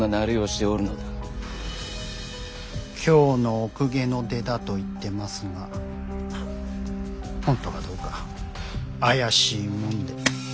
京のお公家の出だと言ってますが本当かどうか怪しいもんで。